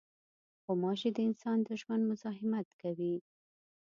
غوماشې د انسان د ژوند مزاحمت کوي.